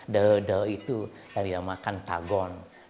deho deho itu yang dinamakan tagon